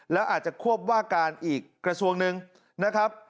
แล้วอาจจะควบว่าการอีกกระทรวงหนึ่งนะครับ